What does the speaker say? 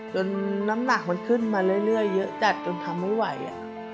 น้ำหนักมันขึ้นมาเรื่อยเยอะจัดจนทำไม่ไหว